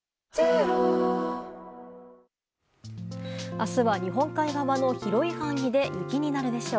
明日は日本海側の広い範囲で雪になるでしょう。